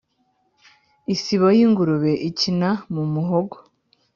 Isibo y'ingurube ikina mu muhogo!